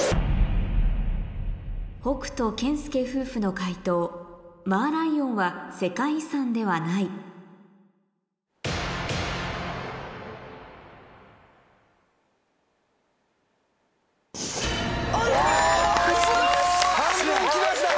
北斗・健介夫婦の解答マーライオンは世界遺産ではないすごい来た！